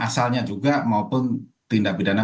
asalnya juga maupun tindak pidana